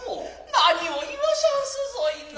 何を云はしゃんすぞいな。